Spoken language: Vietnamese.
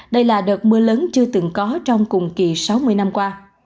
đây là đợt mưa lớn chưa từng có trong cùng kỳ sáu mươi năm qua